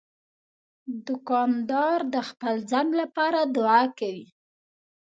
دوکاندار د خپل ځان لپاره دعا کوي.